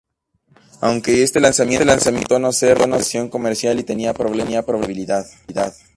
Aunque este lanzamiento resultó no ser la versión comercial y tenía problemas de estabilidad.